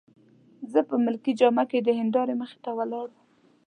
زه په ملکي جامه کي د هندارې مخې ته ولاړ وم.